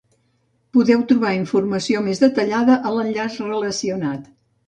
Podeu trobar informació més detallada a l'enllaç relacionat.